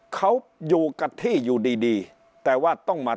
เขาอยู่กับที่อยู่ดีดีแต่ว่าต้องมา